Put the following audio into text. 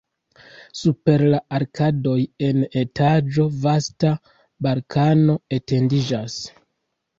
Super la arkadoj en la etaĝo vasta balkono etendiĝas.